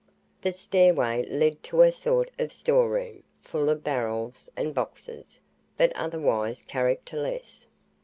The stairway led to a sort of storeroom, full of barrels and boxes, but otherwise characterless.